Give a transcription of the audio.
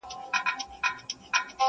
چي خوب ته راسې بس هغه شېبه مي ښه تېرېږي.!